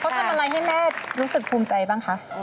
เขาทำอะไรให้แม่รู้สึกภูมิใจบ้างคะ